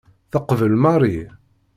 Teqbel Mary.